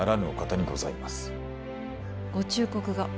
ご忠告が。